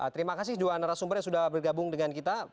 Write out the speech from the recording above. terima kasih dua narasumber yang sudah bergabung dengan kita